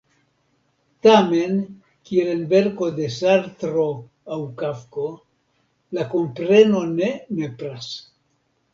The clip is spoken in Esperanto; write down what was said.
Tamen, kiel en verko de Sartro aŭ Kafko, la kompreno ne nepras.